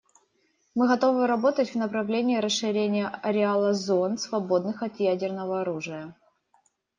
Мы готовы работать в направлении расширения ареала зон, свободных от ядерного оружия.